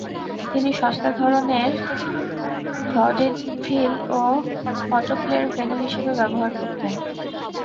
তিনি সস্তা ধরনের ভডেভিল ও ফটোপ্লের ভেন্যু হিসেবে ব্যবহার করতেন।